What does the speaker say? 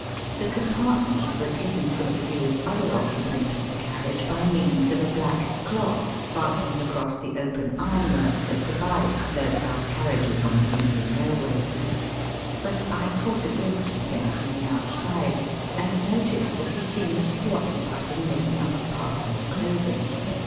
The compartment was hidden from the view of other occupants of the carriage by means of a black cloth fastened across the open iron work that divides third class Digitized by VjOOQIC 294 EAST BY WEST. carriages on the Indian railways. But I caught a ghmpse of him from the outside, and noticed that he seemed to be occupied in making up a parcel of clothing.